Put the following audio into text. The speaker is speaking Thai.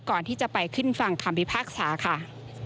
ก่อนที่จะไปขึ้นฟังคำพิพากษาค่ะ